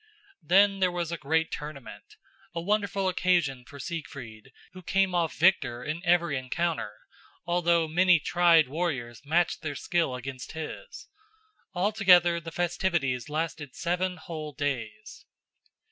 Then there was a great tournament, a wonderful occasion for Siegfried, who came off victor in every encounter, although many tried warriors matched their skill against his. Altogether the festivities lasted seven whole days.